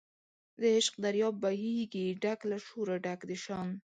د عشق دریاب بهیږي ډک له شوره ډک د شان